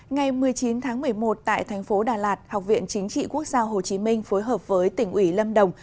ngày một mươi chín tháng một mươi một tại thành phố đà lạt học viện chính trị quốc gia hồ chí minh phối hợp với tỉnh ủy lâm đồng